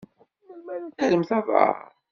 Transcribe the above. Melmi ara terremt aḍar?